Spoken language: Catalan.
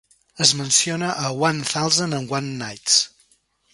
Es menciona a "One Thousand and One Nights".